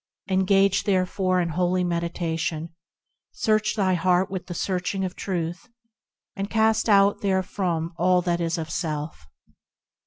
Engage, therefore, in holy meditation ; Search thy heart with the searching of Truth, And cast out therefrom all that is of self.